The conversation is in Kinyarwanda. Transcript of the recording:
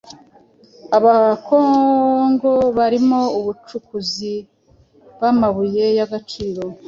Abakongo barimo abacukuzi b' amabuye y' agaciro